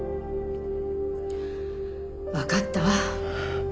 分かったわ